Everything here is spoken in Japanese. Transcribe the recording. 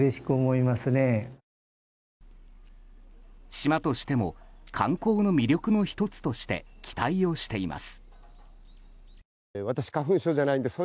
島としても、観光の魅力の１つとして期待をしています。